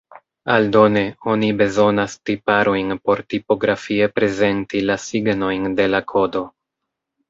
Aldone oni bezonas tiparojn por tipografie prezenti la signojn de la kodo.